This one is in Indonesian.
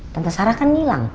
tante sarah kan hilang